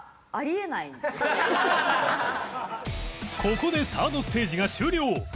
ここで ３ｒｄ ステージが終了